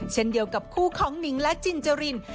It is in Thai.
เช่นเดียวกับคู่ของหนิงและจินจริน